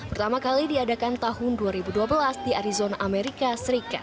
pertama kali diadakan tahun dua ribu dua belas di arizon amerika serikat